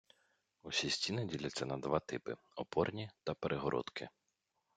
Усі стіни діляться на два типи: опорні та перегородки.